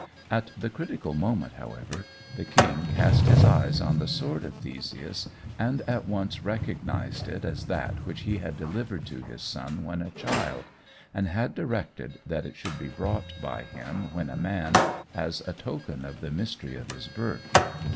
At the critical moment, however, the king cast his eyes on the sword of Theseus, and at once recognized it as that which he had delivered to his son when a child, and had directed that it should be brought by him when a man, as a token of the mystery of his birth.